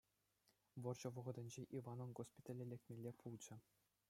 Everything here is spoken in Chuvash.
Вӑрҫӑ вӑхӑтӗнче Иванӑн госпитале лекмелле пулчӗ.